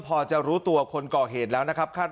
พอจะรู้ตัวคนก่อเหตุแล้วนะครับคาด